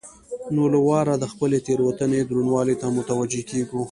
نو له واره د خپلې تېروتنې درونوالي ته متوجه کېږو.